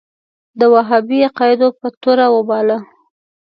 د وهابي عقایدو په تور وباله.